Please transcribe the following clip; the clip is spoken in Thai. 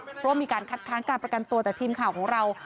เพราะว่ามีการคัดค้างการประกันตัวแต่ทีมข่าวของเรา